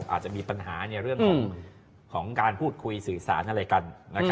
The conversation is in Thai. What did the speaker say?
อาจจะมีปัญหาในเรื่องของการพูดคุยสื่อสารอะไรกัน